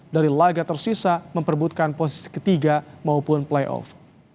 dari laga tersisa memperbutkan posisi ketiga maupun playoff